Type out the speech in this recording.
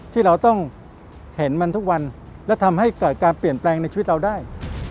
ที่เราต้องเห็นมันทุกวันและทำให้เกิดการเปลี่ยนแปลงในชีวิตเราได้